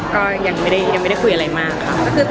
ก็ยังไม่ได้คุยอะไรมากค่ะ